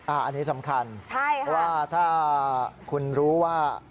อันนี้สำคัญเพราะว่าถ้าคุณรู้ว่า